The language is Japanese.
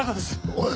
おい！